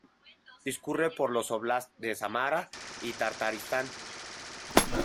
Discurre por los "óblasts" de Samara y Tartaristán.